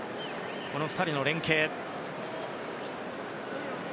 この２人の連係でした。